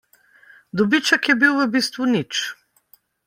Dobiček je bil v bistvu nič.